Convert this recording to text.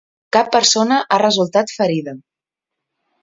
Cap persona ha resultat ferida.